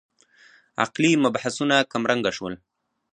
عقلي مبحثونه کمرنګه شول.